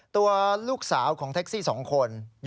มันเกิดเหตุเป็นเหตุที่บ้านกลัว